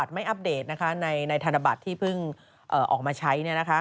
ปัญหามันอยู่ตรงนี้